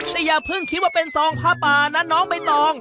แต่อย่าเพิ่งคิดว่าเป็นซองผ้าป่านะน้องใบตอง